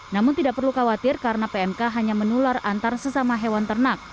namun tidak perlu khawatir karena pmk hanya menular antar sesama hewan ternak